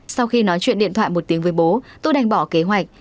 sau khi nói chuyện điện thoại một tiếng với bố tôi đành bỏ kế hoạch